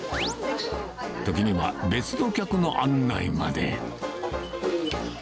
時には、別の客の案内まで。